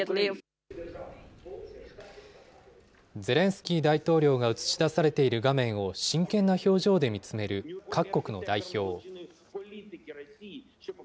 ゼレンスキー大統領が映し出されている画面を真剣な表情で見つめる各国の代表。